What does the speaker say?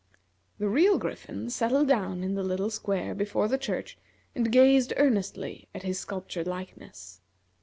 The real Griffin settled down in the little square before the church and gazed earnestly at his sculptured likeness.